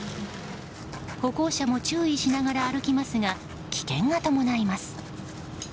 歩行者も注意しながら歩きますが危険が伴います。